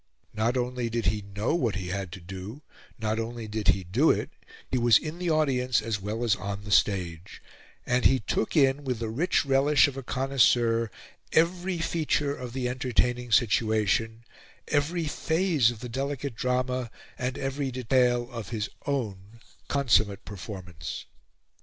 Not only did he know what he had to do, not only did he do it; he was in the audience as well as on the stage; and he took in with the rich relish of a connoisseur every feature of the entertaining situation, every phase of the delicate drama, and every detail of his own consummate performance.